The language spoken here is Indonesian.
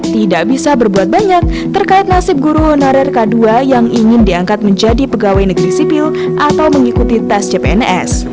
tidak bisa berbuat banyak terkait nasib guru honorer k dua yang ingin diangkat menjadi pegawai negeri sipil atau mengikuti tes cpns